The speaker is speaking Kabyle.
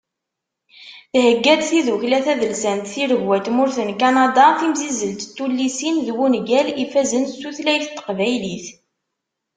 Thegga-d tiddukla tadelsant Tiregwa n tmurt n Kanada timsizzelt n tullisin d wungal ifazen s tutlayt n teqbaylit